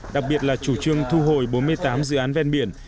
đặc biệt là chủ trương thu hồi bốn mươi tám dự án ven biển